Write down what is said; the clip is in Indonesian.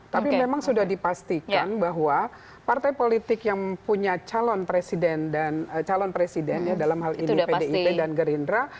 tapi memang sudah dipastikan bahwa partai politik yang punya calon presiden dan calon presiden dalam hal ini pdip dan gerindra